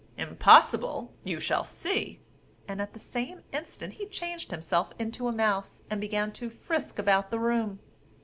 "Impossible! you shall see;" and at the same instant he changed himself into a mouse, and began to frisk about the room.